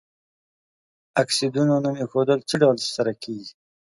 د اکسایدونو نوم ایښودل څه ډول تر سره کیږي؟